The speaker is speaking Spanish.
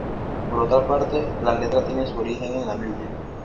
Por otra parte, la letra tiene su origen en la Biblia.